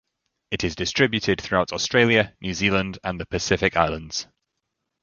It is distributed throughout Australia, New Zealand and the Pacific Islands.